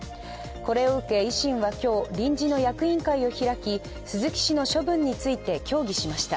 これを受け維新は今日、臨時の役員会を開き鈴木氏の処分について協議しました。